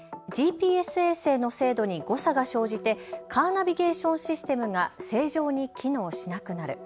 ＧＰＳ衛星の精度に誤差が生じてカーナビゲーションシステムが正常に機能しなくなる。